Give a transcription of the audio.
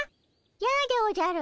やでおじゃる。